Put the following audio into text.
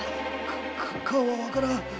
か顔はわからん。